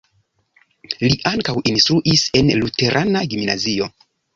Li ankaŭ instruis en luterana gimnazio.